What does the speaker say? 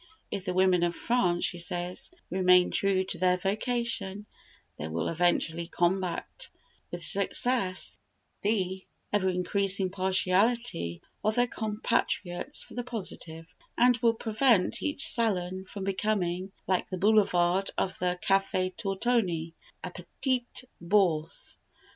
If the women of France, she says, remain true to their vocation, they will eventually combat with success the ever increasing partiality of their compatriots for the positive, and will prevent each salon from becoming, like the boulevard of the Café Tortoni, a petite Bourse.